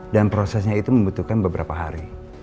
dan prosesnya itu membutuhkan beberapa hari